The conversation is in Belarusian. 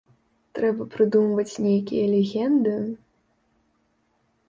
Трэба прыдумваць нейкія легенды?